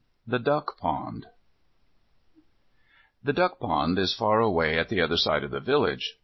II THE DUCK POND The Duck Pond is far away at the other side of the village.